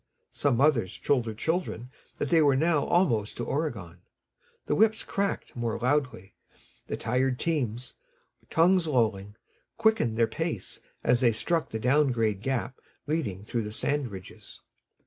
Some mothers told their children they were now almost to Oregon. The whips cracked more loudly, the tired teams, tongues lolling, quickened their pace as they struck the down grade gap leading through the sand ridges.